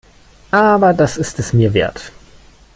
Aber das ist es mir wert.